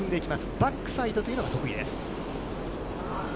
バックサイドというのが得意です。